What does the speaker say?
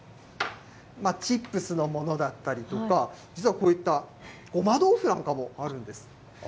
チップスのものだったりとか、実はこういったごま豆腐なんかもあるんです。